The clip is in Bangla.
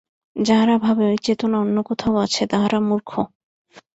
যাহারা ভাবে ঐ চেতনা অন্য কোথাও আছে, তাহারা মূর্খ।